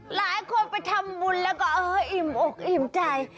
หลายคนไปทำบุญแล้วก็เอออิ่มอกอิ่มใจ